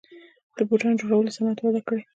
د بوټانو جوړولو صنعت وده کړې